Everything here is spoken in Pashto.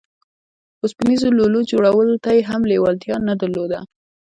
اوسپنيزو لولو جوړولو ته يې هم لېوالتيا نه درلوده.